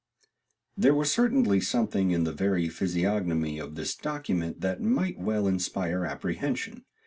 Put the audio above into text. There was certainly something in the very physiognomy of this document that might well inspire apprehension.